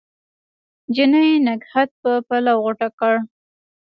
نجلۍ نګهت په پلو غوټه کړ